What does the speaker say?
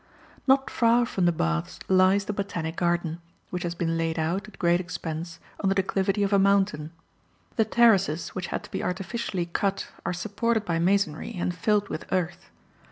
Not far from the baths lies the Botanic Garden, which has been laid out, at great expense, on the declivity of a mountain. The terraces, which had to be artificially cut, are supported by masonry and filled with earth.